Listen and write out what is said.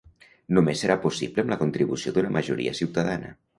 només serà possible amb la contribució d'una majoria ciutadana